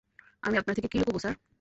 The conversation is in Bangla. আমি আপনার থেকে কি লুকাবো, স্যার?